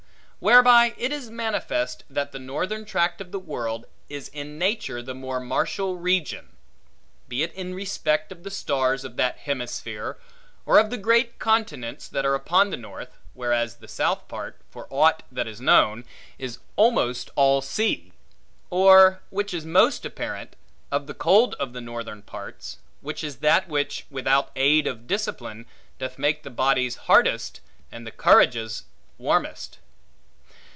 Whereby it is manifest that the northern tract of the world, is in nature the more martial region: be it in respect of the stars of that hemisphere; or of the great continents that are upon the north, whereas the south part, for aught that is known, is almost all sea; or (which is most apparent) of the cold of the northern parts, which is that which, without aid of discipline, doth make the bodies hardest, and the courages warmest.